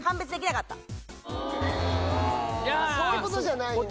そういうことじゃないんだよな。